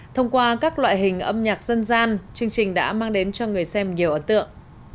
thông qua các loại hình âm nhạc dân gian chương trình đã mang đến cho người xem nhiều ấn tượng